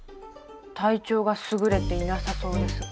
体調がすぐれていなさそうですが。